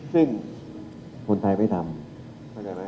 ซึ่งคนไทยไม่ทำเห็นไหม